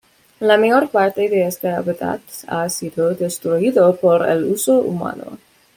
La mayor parte de este hábitat ha sido destruido por el uso humano.